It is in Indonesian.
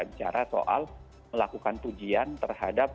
bicara soal melakukan pujian terhadap